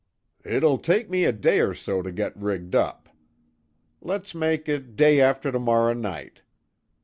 "It'll take me a day or so to get rigged up. Let's make it day after tomorrow night.